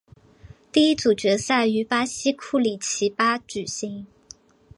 第一组决赛于巴西库里奇巴举行。